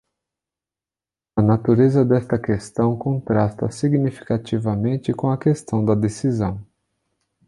A natureza desta questão contrasta significativamente com a questão da decisão.